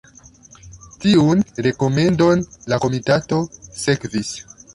Tiun rekomendon la komitato sekvis.